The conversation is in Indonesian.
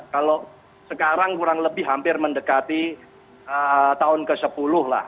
kalau sekarang kurang lebih hampir mendekati tahun ke sepuluh lah